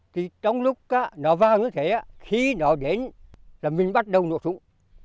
thì trong lúc nó vào như thế khi nó đến là mình bắt đầu nổ súng